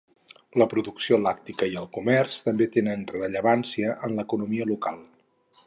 La producció làctica i el comerç també tenen rellevància en l'economia local.